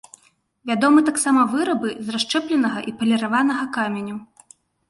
Вядомы таксама вырабы з расшчэпленага і паліраванага каменю.